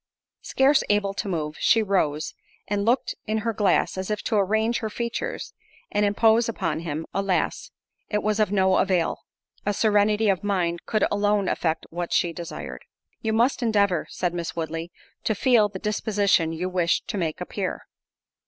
Scarce able to move, she rose, and looked in her glass, as if to arrange her features, and impose upon him: alas! it was of no avail—a serenity of mind could alone effect what she desired. "You must endeavour," said Miss Woodley, "to feel the disposition you wish to make appear."